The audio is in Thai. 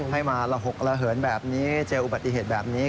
ให้มาระหกระเหินแบบนี้เจออุบัติเหตุแบบนี้